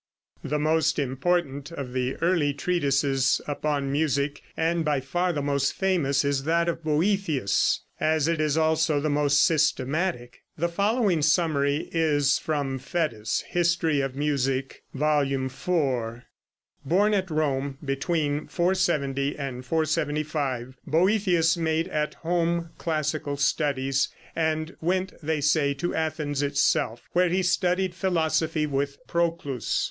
The most important of the earliest treatises upon music, and by far the most famous, is that of Boethius, as it is also the most systematic. The following summary is from Fétis' "History of Music," Vol. IV: "Born at Rome between 470 and 475, Boethius made at home classical studies, and went, they say, to Athens itself, where he studied philosophy with Proclus.